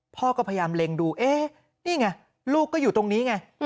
พ่อก็พยายามเล็งดูเอ๊ะนี่ไงลูกก็อยู่ตรงนี้ไง